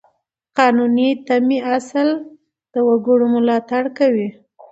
د قانوني تمې اصل د وګړو ملاتړ کوي.